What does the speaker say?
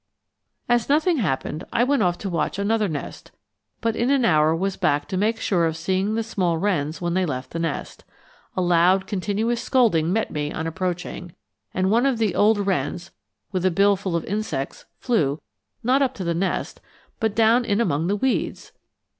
As nothing happened, I went off to watch another nest, but in an hour was back to make sure of seeing the small wrens when they left the nest. A loud continuous scolding met me on approaching, and one of the old wrens, with bill full of insects, flew not up to the nest but down in among the weeds!